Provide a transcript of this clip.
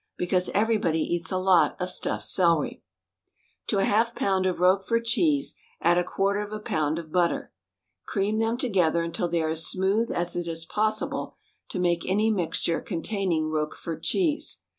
Because every body eats a lot of stuffed celery. To a half pound of Roquefort cheese add a quarter of a pound of butter. Cream them together until they are as smooth as it is possible to make any mixture contain ing Roquefort cheese.